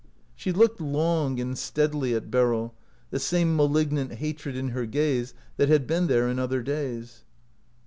She looked long and steadily at Beryl, the same malignant hatred in her gaze that had been there in other days.